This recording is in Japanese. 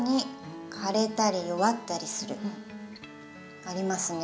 次はありますね。